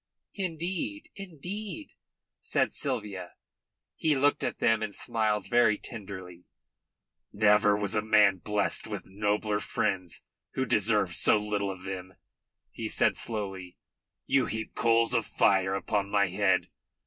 "Indeed, indeed," said Sylvia. He looked at them and smiled very tenderly. "Never was a man blessed with nobler friends who deserved so little of them," he said slowly. "You heap coals of fire upon my head.